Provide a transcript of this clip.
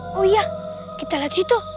oh iya kita lanjut itu